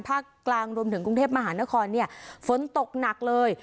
ภาคกลางรวมถึงกรุงเทพมหานครฝนตกหนักเลย